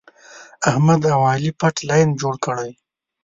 احمد او علي پټ لین جوړ کړی.